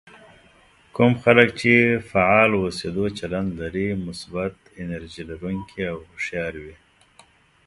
کوم خلک چې فعال اوسېدو چلند لري مثبت، انرژي لرونکي او هوښيار وي.